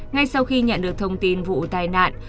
ngay sau khi nhận được thông tin vụ tai nạn